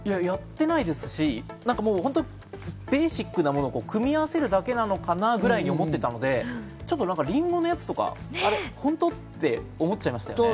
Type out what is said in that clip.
やってないですし、ベーシックなものを組み合わせるだけなのかなくらいに思ってたので、ちょっと、りんごのやつとか、あれ本当？って思っちゃいますね。